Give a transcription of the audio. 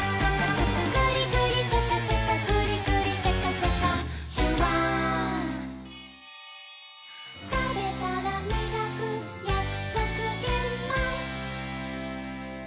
「グリグリシャカシャカグリグリシャカシャカ」「シュワー」「たべたらみがくやくそくげんまん」